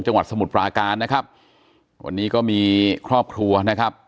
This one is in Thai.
สมุทรปราการนะครับวันนี้ก็มีครอบครัวนะครับ